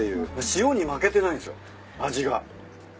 塩に負けてないんすよ。